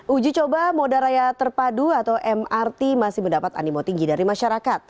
uji coba moda raya terpadu atau mrt masih mendapat animo tinggi dari masyarakat